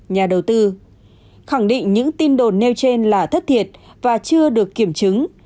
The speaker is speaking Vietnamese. nhà đầu tư khẳng định những tin đồn nêu trên là thất thiệt và chưa được kiểm chứng